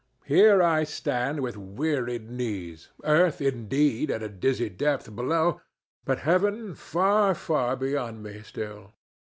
Here I stand with wearied knees—earth, indeed, at a dizzy depth below, but heaven far, far beyond me still.